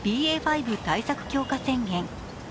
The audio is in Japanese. ５対策強化宣言。